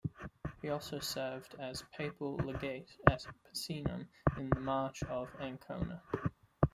He also served as papal legate at Picenum in the March of Ancona.